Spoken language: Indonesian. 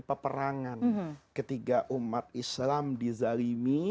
peperangan ketika umat islam di zalimi